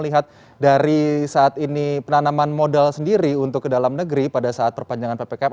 jadi saat ini penanaman modal sendiri untuk ke dalam negeri pada saat perpanjangan ppkm